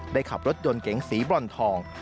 ขับรถยนต์เก๋งสีบรอนทอง